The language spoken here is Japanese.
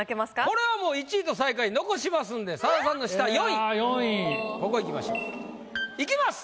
これはもう１位と最下位残しますんで佐田さんの下４位ここいきましょう。いきます！